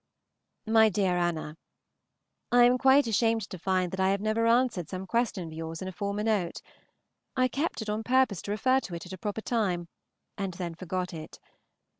MY DEAR ANNA, I am quite ashamed to find that I have never answered some question of yours in a former note. I kept it on purpose to refer to it at a proper time, and then forgot it.